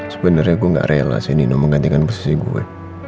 sebenernya gue gak rela si nino menggantikan posisi gue